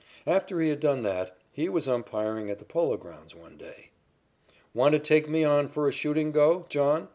After he had done that, he was umpiring at the Polo Grounds one day. "Want to take me on for a shooting go, John?"